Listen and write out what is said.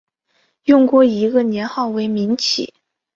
用过一个年号为明启。